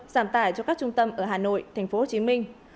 giảm tải cho các trung tâm ở hà nội tp hcm